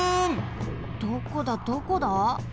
どこだどこだ？